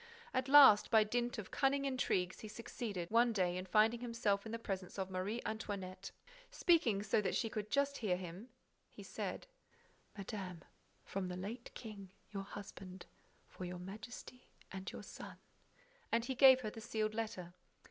At last, by dint of cunning intrigues, he succeeded, one day, in finding himself in the presence of Marie Antoinette. Speaking so that she could just hear him, he said: "Madame, from the late King, your husband, for Your Majesty and your son." And he gave her the sealed letter.